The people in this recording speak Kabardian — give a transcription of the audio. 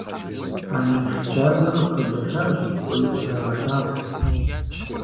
Анэш дадэ къыпхуэзэшащ, кӏуэи зыкъегъэлъагъу.